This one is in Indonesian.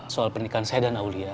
soal pernikahan saya dan aulia